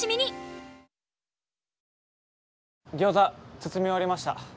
包み終わりました。